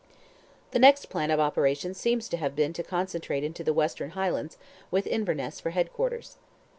The next plan of operations seems to have been to concentrate in the western Highlands, with Inverness for head quarters.